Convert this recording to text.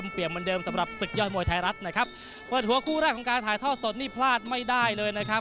เพราะคู่แรกของการถ่ายท่อสดนี่พลาดไม่ได้เลยนะครับ